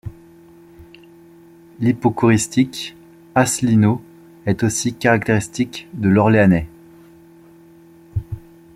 L'hypocoristique Asselineau est aussi caractéristique de l'Orléanais.